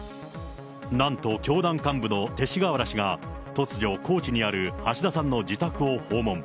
なんと教団幹部の勅使河原氏が、突如、高知にある橋田さんの自宅を訪問。